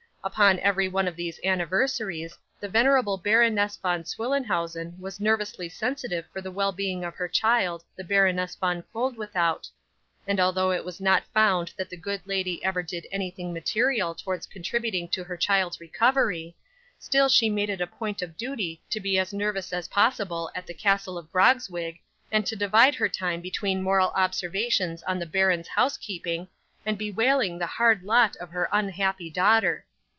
Upon every one of these anniversaries, the venerable Baroness Von Swillenhausen was nervously sensitive for the well being of her child the Baroness Von Koeldwethout; and although it was not found that the good lady ever did anything material towards contributing to her child's recovery, still she made it a point of duty to be as nervous as possible at the castle of Grogzwig, and to divide her time between moral observations on the baron's housekeeping, and bewailing the hard lot of her unhappy daughter.